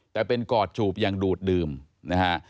แต่เป็นกอดจูบยังดูดดื่มนะฮะ